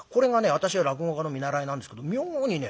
私は落語家の見習いなんですけど妙にね